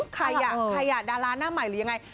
ใครอ่ะดาราหน้าใหม่หรือยังไง